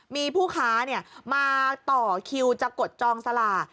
มีผู้ค้ามาต่อคิวจะกดจองสลาก